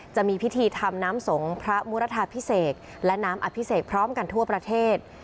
จะมีพิธีทำน้ำสงฆ์พระมุรทาพิเศษและน้ำอภิเษกพร้อมกันทั่วประเทศ